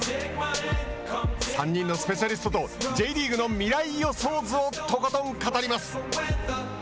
３人のスペシャリストとＪリーグの未来予想図をとことん語ります。